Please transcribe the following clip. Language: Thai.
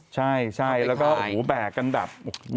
ใช่แล้วก็แบกกันดับ